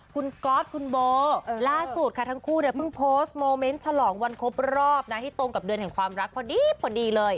คุณก๊อตคุณโบล่าสุดค่ะทั้งคู่เนี่ยเพิ่งโพสต์โมเมนต์ฉลองวันครบรอบนะที่ตรงกับเดือนแห่งความรักพอดีพอดีเลย